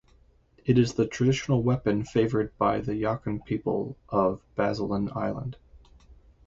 It is the traditional weapon favored by the Yakan people of Basilan Island.